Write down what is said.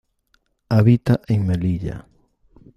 Habita en Melilla.